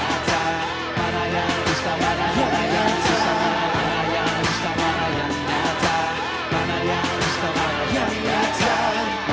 mana yang disalah yang nyata